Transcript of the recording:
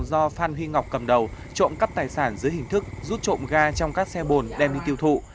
do phan huy ngọc cầm đầu trộm cắp tài sản dưới hình thức rút trộm ga trong các xe bồn đem đi tiêu thụ